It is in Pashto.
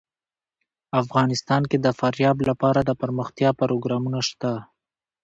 افغانستان کې د فاریاب لپاره دپرمختیا پروګرامونه شته.